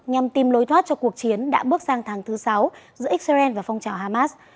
nhằm tìm lối thoát cho cuộc chiến đã bước sang tháng thứ sáu giữa israel và phong trào hamas